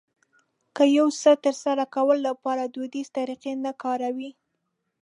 د يو څه ترسره کولو لپاره دوديزې طريقې نه کاروي.